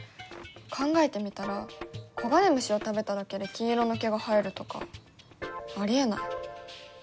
考えてみたら黄金虫を食べただけで金色の毛が生えるとかありえない。